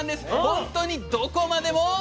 本当にどこまでも。